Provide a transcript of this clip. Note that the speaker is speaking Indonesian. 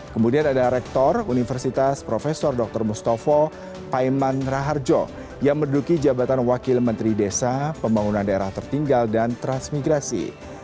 kemudian ada rektor universitas prof dr mustafa paiman raharjo yang merduki jabatan wakil menteri desa pembangunan daerah tertinggal dan transmigrasi